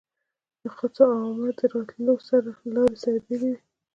د خاصو او عامو د راتلو لارې سره بېلې وې.